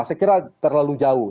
saya kira terlalu jauh